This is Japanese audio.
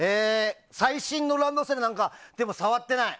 最新のランドセルなんか触ってない。